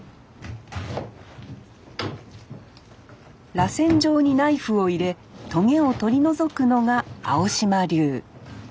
らせん状にナイフを入れトゲを取り除くのが青島流。